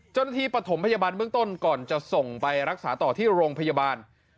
เจ้าหน้าที่ปฐมพยาบาลเมืองต้นก่อนจะส่งไปรักษาต่อที่โรงพยาบาล